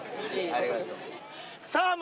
ありがとう。